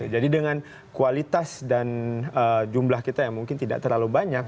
jadi dengan kualitas dan jumlah kita yang mungkin tidak terlalu banyak